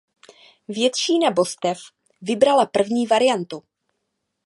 Většína božestv vybrala první variantu.